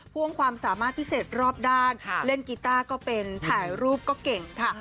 พ่วงความสามารถพิเศษรอบด้านเล่นกีต้าก็เป็นถ่ายรูปก็เก่งค่ะ